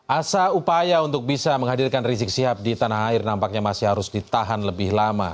asa upaya untuk bisa menghadirkan rizik sihab di tanah air nampaknya masih harus ditahan lebih lama